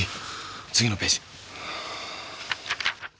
次のページ！